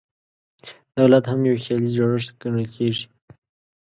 دولت هم یو خیالي جوړښت ګڼل کېږي.